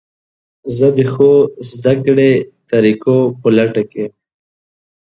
زه د ښو زده کړې طریقو په لټه کې یم.